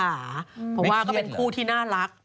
ไม่เครียดเหรอเพราะว่าก็เป็นคู่ที่น่ารัก